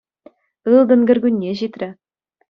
Ылтӑн кӗркунне ҫитрӗ.